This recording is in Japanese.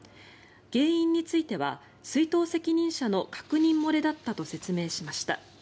原因については出納責任者の確認漏れだったと説明しました。